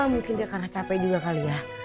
mungkin dia karena capek juga kali ya